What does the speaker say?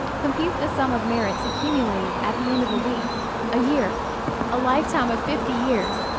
Compute the sum of merits accumulated at the end of a week, a year, a life time of fifty years.